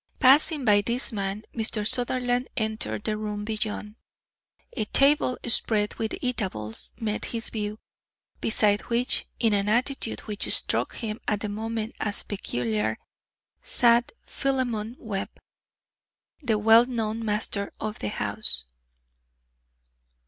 Passing by this man, Mr. Sutherland entered the room beyond. A table spread with eatables met his view, beside which, in an attitude which struck him at the moment as peculiar, sat Philemon Webb, the well known master of the house.